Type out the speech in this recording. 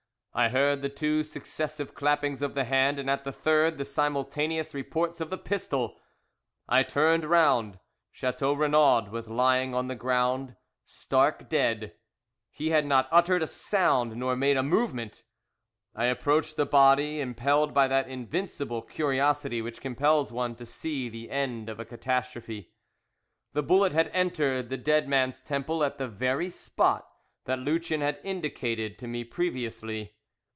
I heard the two successive clappings of the hands, and at the third the simultaneous reports of the pistols. I turned round. Chateau Renaud was lying on the ground, stark dead; he had not uttered a sound nor made a movement. I approached the body, impelled by that invincible curiosity which compels one to see the end of a catastrophe. The bullet had entered the dead man's temple, at the very spot that Lucien had indicated to me previously.